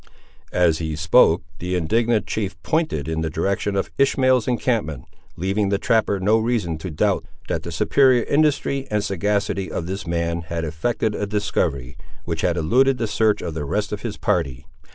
As he spoke, the indignant chief pointed in the direction of Ishmael's encampment, leaving the trapper no reason to doubt, that the superior industry and sagacity of this man had effected a discovery, which had eluded the search of the rest of his party.